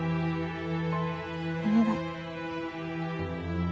お願い。